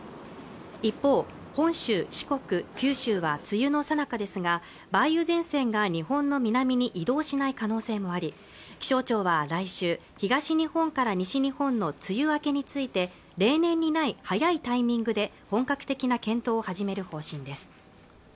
一方本州四国九州は梅雨のさなかですが梅雨前線が日本の南に移動しない可能性もあり気象庁は来週東日本から西日本の梅雨明けについて例年にない早いタイミングで本格的な検討を始める方針です